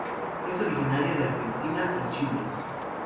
Es originaria de Argentina y Chile.